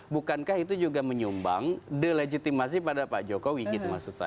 bukankah itu juga menyumbang delegitimasi pada pak jokowi gitu maksud saya